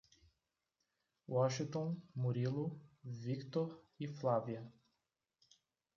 Washington, Murilo, Víctor e Flávia